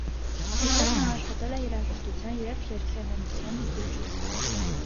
Այդտեղ նա աշխատել է երաժշտության և երգեհոնության ուսուցչուհի։